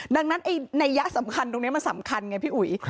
ดังนั้นนัยยะสำคัญตรงนี้มันสำคัญไงพี่อุ๋ย